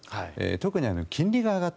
特に金利が上がった。